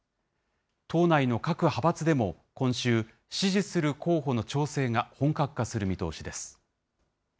党内の各派閥でも、今週、支持する候補の調整が本格化する見通しです。